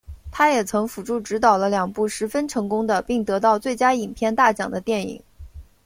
他也曾辅助执导了两部十分成功的并得到最佳影片大奖的电影。